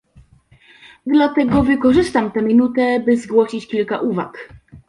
Dlatego wykorzystam tę minutę, by zgłosić kilka uwag